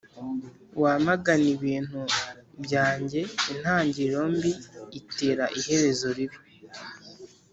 wamagane ibintu byanjyeintangiriro mbi itera iherezo ribi.